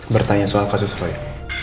bertanya soal kasus roya